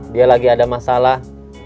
dia lagi ada masalah